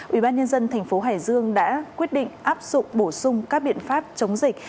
ubnd tp hải dương đã quyết định áp dụng bổ sung các biện pháp chống dịch